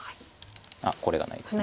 これがないです。